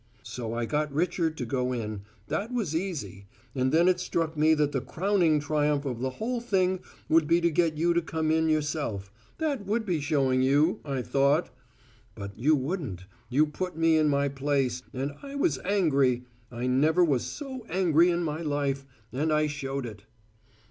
So I got Richard to go in that was easy; and then it struck me that the crowning triumph of the whole thing would be to get you to come in yourself. That would be showing you, I thought! But you wouldn't: you put me in my place and I was angry I never was so angry in my life, and I showed it."